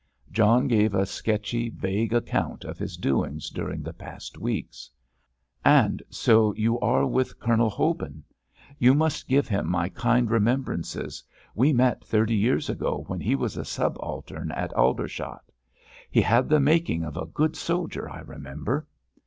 John gave a sketchy, vague account of his doings during the past weeks. "And so you are with Colonel Hobin. You must give him my kind remembrances; we met thirty years ago, when he was a subaltern at Aldershot. He had the making of a good soldier, I remember."